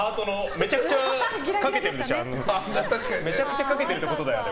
めちゃくちゃかけてるってことだよ、あれ。